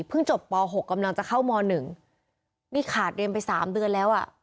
เพิ่งจบป๖กำลังจะเข้าม๑นี่ขาดเรียนไป๓เดือนแล้ว